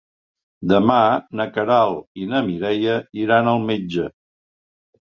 Demà na Queralt i na Mireia iran al metge.